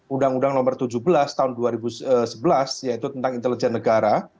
undang undang nomor tujuh belas tahun dua ribu sebelas yaitu tentang intelijen negara